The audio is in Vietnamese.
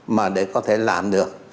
mà để có thể làm được